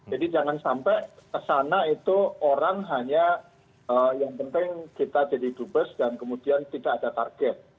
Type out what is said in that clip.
jadi jangan sampai kesana itu orang hanya yang penting kita jadi dubes dan kemudian tidak ada target